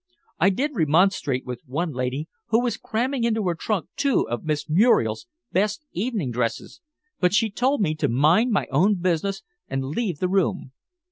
I did remonstrate with one lady who was cramming into her trunk two of Miss Muriel's best evening dresses, but she told me to mind my own business and leave the room.